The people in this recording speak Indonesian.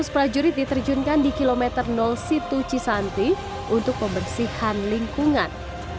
lima ratus prajurit diterjunkan di kilometer situ cisanti untuk pembersihan lingkungan